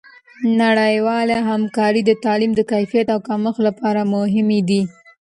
نړیوالې همکارۍ د تعلیم د کیفیت او کمیت لپاره مهمې دي.